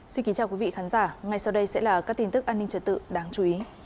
xin kính chào quý vị khán giả ngay sau đây sẽ là các tin tức an ninh trật tự đáng chú ý